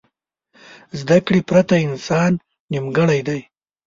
زده کړې پرته انسان نیمګړی دی.